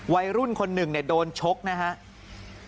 วัยรุ่นคนหนึ่งโดนชกนะครับ